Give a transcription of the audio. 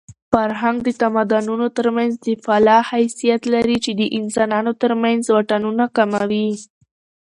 فرهنګ د تمدنونو ترمنځ د پله حیثیت لري چې د انسانانو ترمنځ واټنونه کموي.